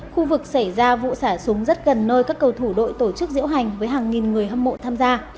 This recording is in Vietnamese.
khu vực xảy ra vụ xả súng rất gần nơi các cầu thủ đội tổ chức diễu hành với hàng nghìn người hâm mộ tham gia